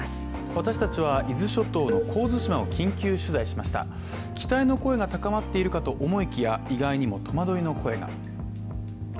私達は伊豆諸島の神津島を緊急取材しました期待の声が高まっているかと思いきや、意外にも戸惑いの声が。